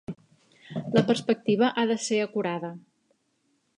La perspectiva ha de ser acurada.